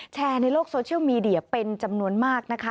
แชร์ในโลกโซเชียลมีเดียเป็นจำนวนมากนะคะ